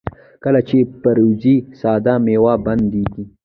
کله چې پریوځئ ساه مو بندیږي؟